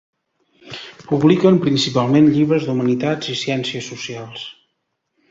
Publiquen principalment llibres d'humanitats i ciències socials.